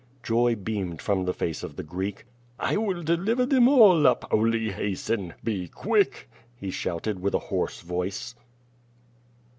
Joy beamed from the face of the Greek. "1 will deliver them all up, only hasten. Be quick!*' he shouted with a hoarse voice.